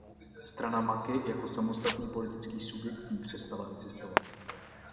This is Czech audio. Strana Maki jako samostatný politický subjekt tím přestala existovat.